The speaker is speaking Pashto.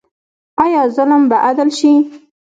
آیا ظلم به عدل شي؟